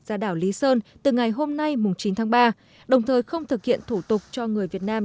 ra đảo lý sơn từ ngày hôm nay chín tháng ba đồng thời không thực hiện thủ tục cho người việt nam